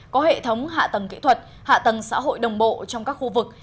có hệ thống hạ tầng kỹ thuật hạ tầng xã hội đồng bộ trong các khu vực